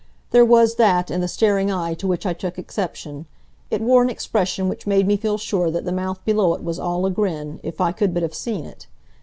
There was that in the staring eye to which I took exception. It wore an expression which made me feel sure that the mouth below it was all a grin, if I could but have seen it.